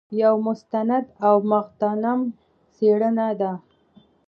یو مستند او مغتنم څېړنه ده.